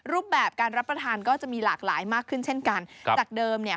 รูปแบบการรับประทานก็จะมีหลากหลายมากขึ้นเช่นกันครับจากเดิมเนี่ย